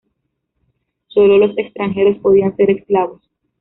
Sólo los extranjeros podían ser esclavos.